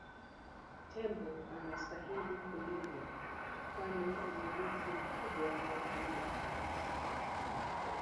tembo anastahili kulindwa kwani ni urithi mkubwa wa utalii